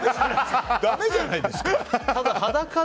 だめじゃないですか！